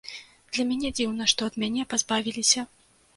Для мяне дзіўна, што ад мяне пазбавіліся.